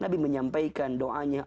nabi menyampaikan doanya